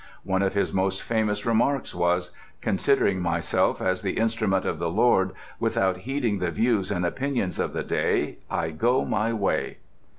One of his most famous remarks was: "Considering myself as the instrument of the Lord, without heeding the views and opinions of the day, I go my way."